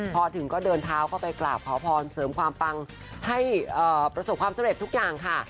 พอถึงก็เดินเท้าเข้าไปกราบขอพรเสริมความปังให้ประสบความสำเร็จทุกอย่างค่ะ